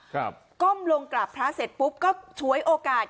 ก้มลงกราบพระเสร็จปุ๊บก็ฉวยโอกาส